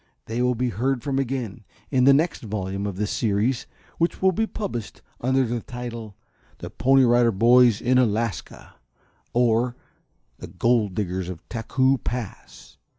They will be heard from again, in the next volume of this series, which will be published under the title, "THE PONY RIDER BOYS IN ALASKA; Or, The Gold Diggers of Taku Pass."